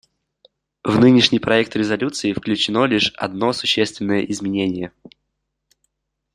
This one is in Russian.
В нынешний проект резолюции включено лишь одно существенное изменение.